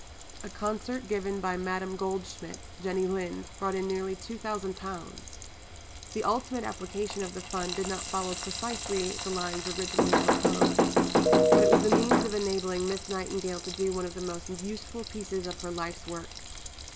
A concert given by Madame Goldschmidt (Jenny Lind) brought in nearly £2000. The ultimate application of the Fund did not follow precisely the lines originally proposed, but it was the means of enabling Miss Nightingale to do one of the most useful pieces of her life's work.